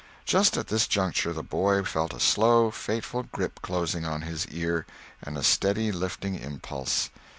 Just at this juncture the boy felt a slow, fateful grip closing on his ear, and a steady lifting impulse.